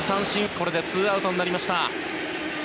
これでツーアウトになりました。